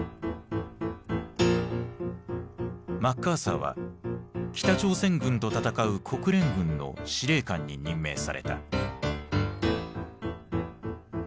マッカーサーは北朝鮮軍と戦う国連軍の司令官に任命された。